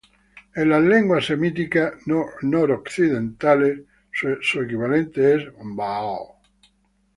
En las lenguas semíticas noroccidentales su equivalente es Ba'al.